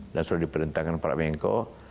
dan sudah diperintahkan pak bengko